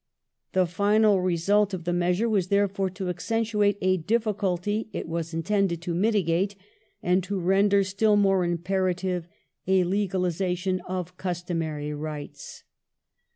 The final result of the measure was, therefore, to accentuate a difficulty it was intended to mitigate, and to render still more imperative a legalization of customary rights.